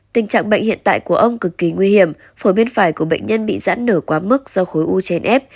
tình trạng bệnh hiện tại của ông cực kỳ nguy hiểm phổi bên phải của bệnh nhân bị giãn nở quá mức do khối u trên ép